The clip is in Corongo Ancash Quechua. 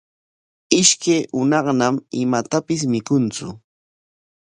Ishkay hunaqñam imatapis mikuntsu.